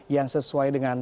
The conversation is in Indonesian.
yang sesuai dengan ini